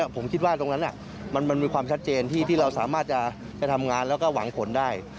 ผมคิดว่าตรงนั้นมันมีความชัดเจนที่เราสามารถจะไปทำงานแล้วก็หวังผลได้